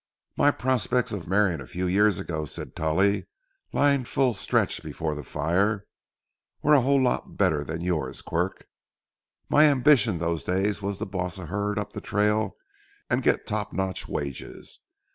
"My prospects of marrying a few years ago," said Tully, lying full stretch before the fire, "were a whole lot better than yours, Quirk. But my ambition those days was to boss a herd up the trail and get top notch wages.